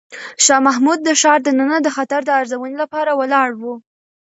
شاه محمود د ښار دننه د خطر د ارزونې لپاره ولاړ و.